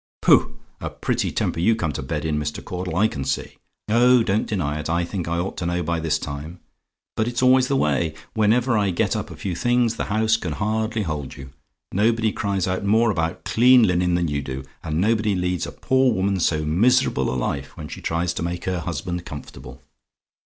"Pooh! A pretty temper you come to bed in, Mr. Caudle, I can see! Oh, don't deny it I think I ought to know by this time. But it's always the way; whenever I get up a few things, the house can hardly hold you! Nobody cries out more about clean linen than you do and nobody leads a poor woman so miserable a life when she tries to make her husband comfortable.